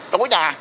trong quốc gia